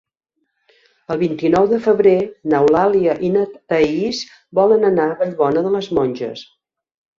El vint-i-nou de febrer n'Eulàlia i na Thaís volen anar a Vallbona de les Monges.